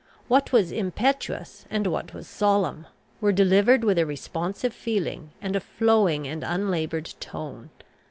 What was impetuous, and what was solemn, were delivered with a responsive feeling, and a flowing and unlaboured tone.